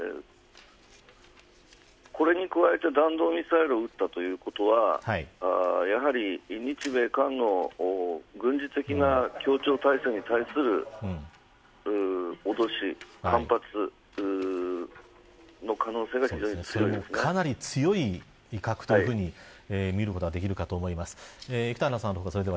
これに加えて弾道ミサイルを撃ったということはやはり日米間の軍事的な協調体制に対する脅し、反発かなり強い威嚇というふうに見ることができるかと思います。